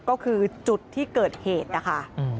ก็คือจุดที่เกิดเหตุนะคะ